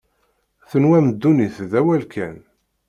Tenwam ddunit d awal kan.